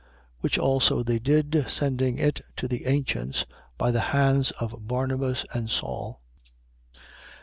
11:30. Which also they did, sending it to the ancients, by the hands of Barnabas and Saul.